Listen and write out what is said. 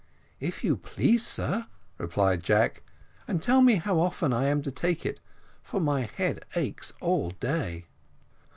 "If you please, sir," replied Jack; "and tell me how often I am to take it, for my head aches all day."